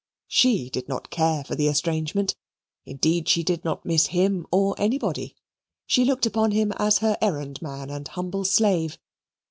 She did not care for the estrangement. Indeed, she did not miss him or anybody. She looked upon him as her errand man and humble slave.